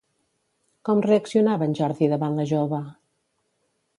Com reaccionava en Jordi davant la jove?